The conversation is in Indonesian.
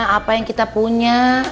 apa yang kita punya